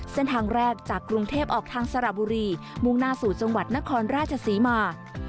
เส้นทางแรกจากกรุงเทพออกทางสระบุรีมุ่งหน้าสู่จังหวัดนครราชศรีมา